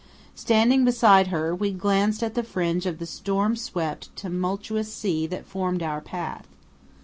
Standing beside her, we glanced at the fringe of the storm swept, tumultuous sea that formed our path.